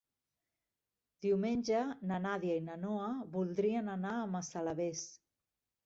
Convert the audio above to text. Diumenge na Nàdia i na Noa voldrien anar a Massalavés.